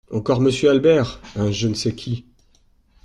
Encore Monsieur Albert… un je ne sais qui.